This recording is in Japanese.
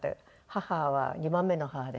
母は２番目の母ですね